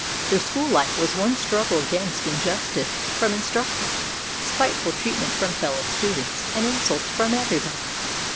Their school life was one struggle against injustice from instructors, spiteful treatment from fellow students, and insults from everybody.